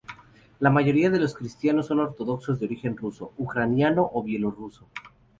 La mayoría de los cristianos son ortodoxos de origen ruso, ucraniano o bielorruso.